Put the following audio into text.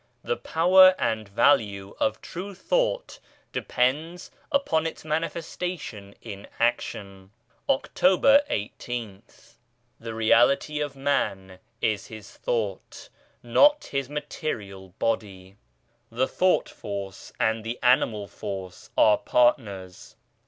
THE POWER AND VALUE OF TRUE THOUGHT DEPENDS UPON ITS MANIFESTATION IN ACTION October i8th. THHE Reality of man is his thought, not his material * body. The thought force and the animal force are partners.